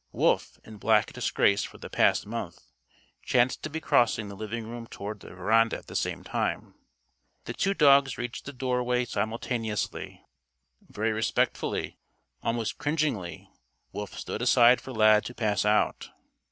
Wolf in black disgrace for the past month chanced to be crossing the living room toward the veranda at the same time. The two dogs reached the door way simultaneously. Very respectfully, almost cringingly, Wolf stood aside for Lad to pass out.